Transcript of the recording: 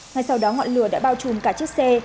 ngay sau đó ngọn lửa đã bao trùm cả chiếc xe